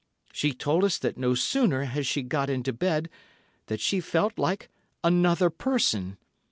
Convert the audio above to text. She told us that no sooner had she got into bed, than she felt like another person.